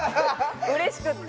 うれしくって。